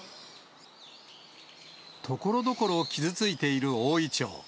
ところどころ、傷ついている大イチョウ。